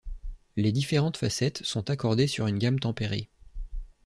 Les différentes facettes sont accordées sur une gamme tempérée.